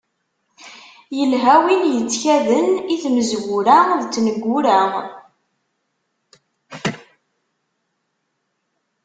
Ilha win yettkaden i tmezwura d tneggura.